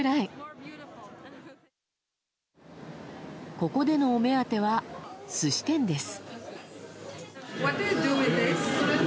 ここでのお目当ては寿司店です。